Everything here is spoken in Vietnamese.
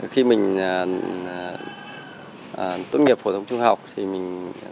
khi mình tốt nghiệp phổ thông trung học thì mình